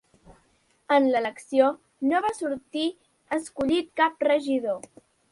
En l'elecció no va sortir escollit cap regidor.